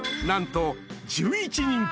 なんと１１人